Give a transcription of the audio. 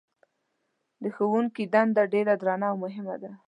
د ښوونکي دنده ډېره درنه او مهمه ده.